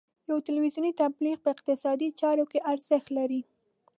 یو تلویزیوني تبلیغ په اقتصادي چارو کې ارزښت لري.